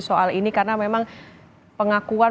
soal ini karena memang pengakuan